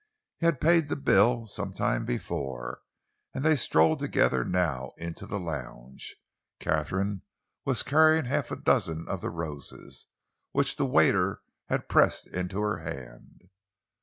He had paid the bill some time before and they strolled together now into the lounge. Katharine was carrying half a dozen of the roses, which the waiter had pressed into her hand.